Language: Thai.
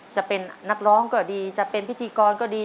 จะเป็นนักร้องก็ดีจะเป็นพิธีกรก็ดี